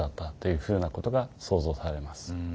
ふうなことが想像されます。